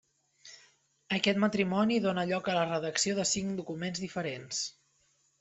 Aquest matrimoni dóna lloc a la redacció de cinc documents diferents.